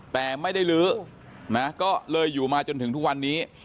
แต่ไม่ได้ลื้อนะก็เลยอยู่มาจนถึงทุกวันนี้